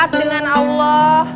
taat beragamanya dengan allah